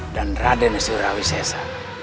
dan raden surawi sesa